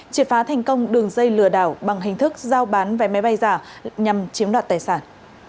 triệt phá thành công đường dây lừa đảo bằng hình thức giao bán vé máy bay giả nhằm chiếm đoạt tài sản